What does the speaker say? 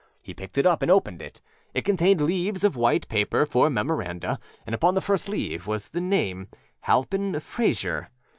He picked it up and opened it. It contained leaves of white paper for memoranda, and upon the first leaf was the name âHalpin Frayser.